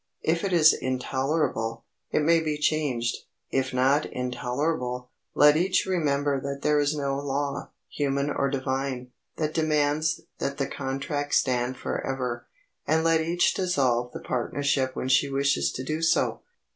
If it is intolerable, it may be changed. If not intolerable, let each remember that there is no law, human or divine, that demands that the contract stand forever—and let each dissolve the partnership when she wishes to do so.